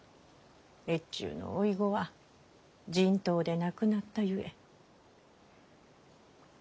越中の甥子は人痘で亡くなったゆえ。